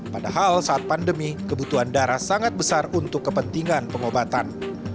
padahal saat pandemi kebutuhan darah sangat besar untuk kepentingan pengobatan